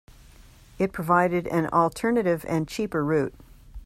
It provided an alternative and cheaper route.